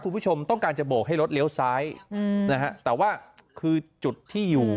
คุณผู้ชมต้องการจะโบกให้รถเลี้ยวซ้ายอืมนะฮะแต่ว่าคือจุดที่อยู่